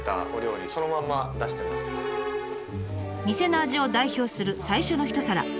店の味を代表的する最初の一皿。